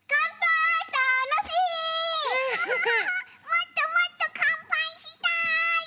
もっともっとかんぱいしたい！